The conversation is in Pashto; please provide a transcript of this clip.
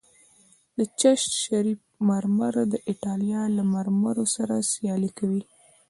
د چشت شریف مرمر د ایټالیا له مرمرو سره سیالي کوي